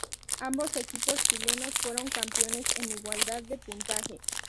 Ambos equipos chilenos fueron campeones en igualdad de puntaje.